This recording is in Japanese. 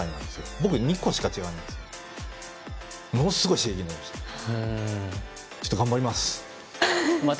僕は２個しか違わないのですごい刺激になりました。